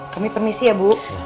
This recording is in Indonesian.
kami permisi ya bu